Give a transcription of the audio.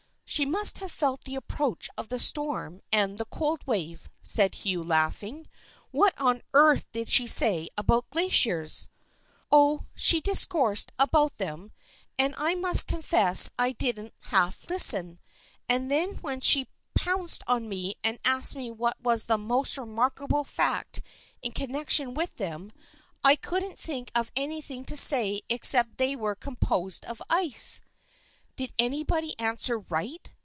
" She must have felt the approach of the storm and the cold wave," said Hugh laughing. " What on earth did she say about glaciers ?"" Oh, she discoursed about them, and I must confess I didn't half listen, and then when she pounced on me and asked me what was the most remarkable fact in connection with them I couldn't THE FKIENDSHIP OF ANNE 141 think of anything to say except that they were composed of ice." " Did anybody answer right